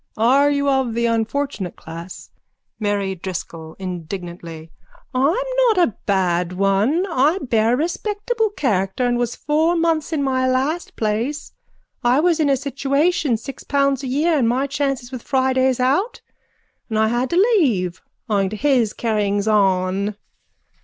Are you of the unfortunate class? MARY DRISCOLL: (Indignantly.) I'm not a bad one. I bear a respectable character and was four months in my last place. I was in a situation, six pounds a year and my chances with Fridays out and I had to leave owing to his carryings on.